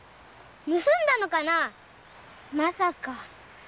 盗んだのかな⁉まさか。